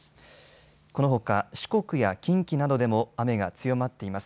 このほか四国や近畿などでも雨が強まっています。